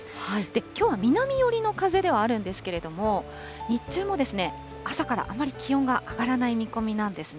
きょうは南寄りの風ではあるんですけれども、日中も朝からあまり気温が上がらない見込みなんですね。